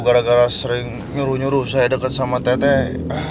gara gara sering nyuruh nyuruh saya dekat sama teteh